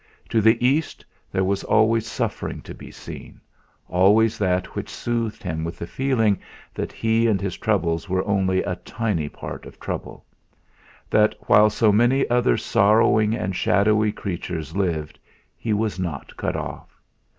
To the East there was always suffering to be seen, always that which soothed him with the feeling that he and his troubles were only a tiny part of trouble; that while so many other sorrowing and shadowy creatures lived he was not cut off.